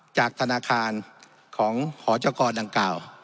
จากธนาคารของหอจกรดังกล่าว